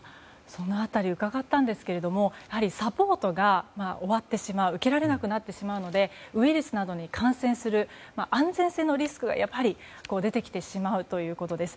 その辺り伺ったんですがやはりサポートが終わってしまう受けられなくなってしまうのでウイルスなどに感染する安全性のリスクが出てきてしまうということです。